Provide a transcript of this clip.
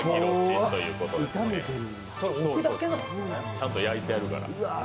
ちゃんと焼いてるから。